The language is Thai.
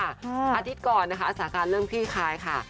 อาทิตย์ก่อนนะคะสาการเริ่มคลี่คลายค่ะ